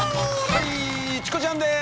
はいチコちゃんです